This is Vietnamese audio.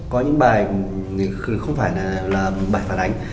có những bài không phải là bài phản ánh